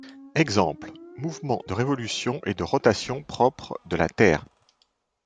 Exemples: mouvements de révolution et de rotation propre de la Terre.